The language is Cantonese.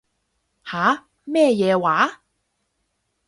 吓？咩嘢話？